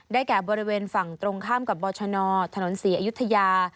แก่บริเวณฝั่งตรงข้ามกับบชนถนนศรีอยุธยา